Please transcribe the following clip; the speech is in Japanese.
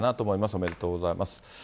おめでとうございます。